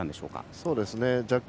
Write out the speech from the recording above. そうですね。